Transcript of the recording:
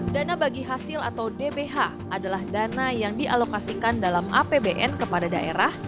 dana bagi hasil atau dbh adalah dana yang dialokasikan dalam apbn kepada daerah